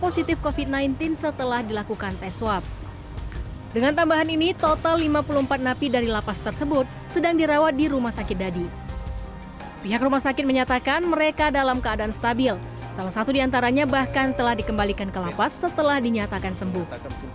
satu di antaranya bahkan telah dikembalikan ke lapas setelah dinyatakan sembuh